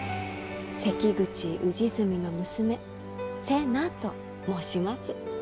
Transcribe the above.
関口氏純の娘瀬名と申します。